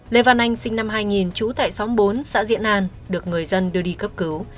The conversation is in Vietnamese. lê văn anh sinh năm hai nghìn trú tại xóm bốn xã diễn an được người dân đưa đi cấp cứu